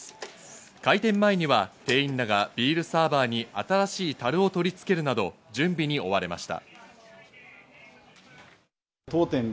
開店前には店員らがビールサーバーに新しい樽を取り付けるなど、準備に追われました。